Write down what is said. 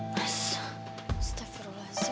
mas masih terfirulasi